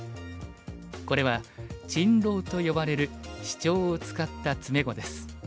これは珍瓏と呼ばれるシチョウを使った詰碁です。